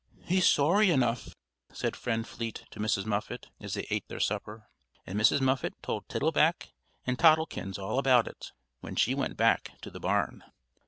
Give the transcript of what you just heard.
"He's sorry enough," said Friend Fleet to Mrs. Muffet, as they ate their supper; and Mrs. Muffet told Tittleback and Toddlekins all about it, when she went back to the barn.